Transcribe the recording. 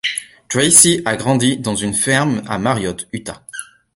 Tracy a grandi dans une ferme à Marriott, Utah.